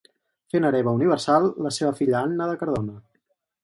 Fent hereva universal, la seva filla Anna de Cardona.